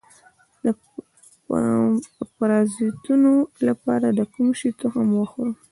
د پرازیتونو لپاره د کوم شي تخم وخورم؟